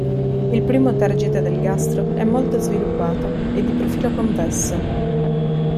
Il primo tergite del gastro è molto sviluppato e di profilo convesso.